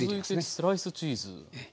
それでスライスチーズ。